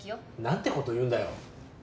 なんてこと言うんだよ！